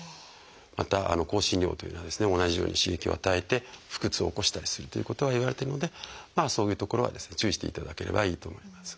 また香辛料というのは同じように刺激を与えて腹痛を起こしたりするということはいわれてるのでそういうところは注意していただければいいと思います。